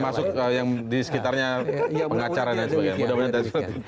masuk yang di sekitarnya pengacara dan sebagainya